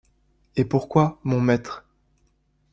Et pourquoi, mon maître?